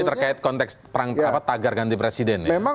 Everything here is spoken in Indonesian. ini terkait konteks tagar ganti presiden ya